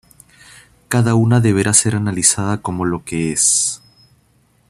Cada una deberá ser analizada como lo que es.